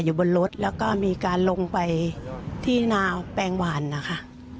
อยู่บนรถแล้วก็มีการลงไปที่นาวแปลงหวานนะคะ